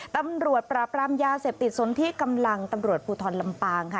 ตำรวจปราบรามยาเสพติดสนที่กำลังตำรวจภูทรลำปางค่ะ